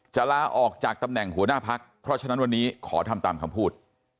ลาออกจากตำแหน่งหัวหน้าพักเพราะฉะนั้นวันนี้ขอทำตามคำพูด